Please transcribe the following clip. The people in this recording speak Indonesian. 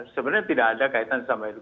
sebenarnya tidak ada kaitan sama itu